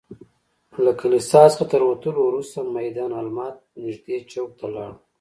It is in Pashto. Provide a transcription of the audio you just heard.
له کلیسا څخه تر وتلو وروسته میدان المهد نږدې چوک ته لاړو.